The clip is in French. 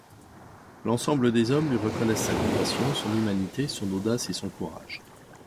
L'ensemble des hommes lui reconnaissent sa compassion, son humanité, son audace et son courage.